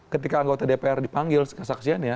ketika anggota dpr dipanggil ke saksiannya